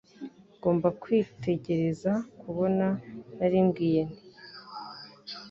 Ngomba kwitegereza kubona naribwiye nti